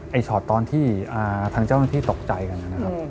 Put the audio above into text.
ไอ้ชอตตอนที่ทางเจ้าต้องที่ตกใจกันอะนะครับ